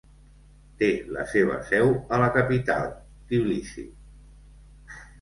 Té la seva seu a la capital, Tbilisi.